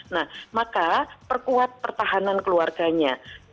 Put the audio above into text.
nah maka perkuat pertahanan keluarganya